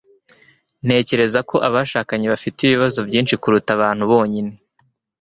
Ntekereza ko abashakanye bafite ibibazo byinshi kuruta abantu bonyine.